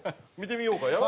見てみようか。